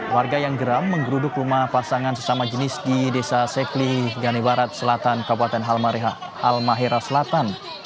warga yang geram menggeruduk rumah pasangan sesama jenis di desa sekli gane barat selatan kabupaten halmahera selatan